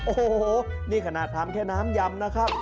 โอ้โหนี่ขนาดทำแค่น้ำยำนะครับ